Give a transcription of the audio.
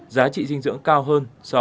giá trị dinh dưỡng cao hơn năm so với năm ngoái